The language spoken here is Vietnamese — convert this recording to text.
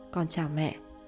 con chào mẹ